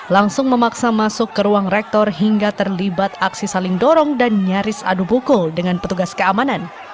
langsung memaksa masuk ke ruang rektor hingga terlibat aksi saling dorong dan nyaris adu pukul dengan petugas keamanan